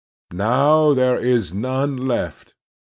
Now there is none left.